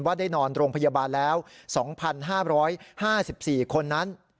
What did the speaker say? ได้นอนโรงพยาบาลแล้ว๒๕๕๔คนนั้น